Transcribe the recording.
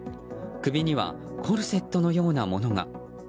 首にはコルセットのようなものが。